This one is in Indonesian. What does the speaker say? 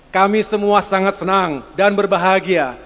kami semua sangat senang dan berbahagia